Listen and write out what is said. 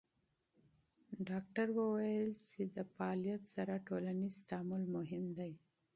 ډاکټره وویل چې د فعالیت سره ټولنیز تعامل مهم دی.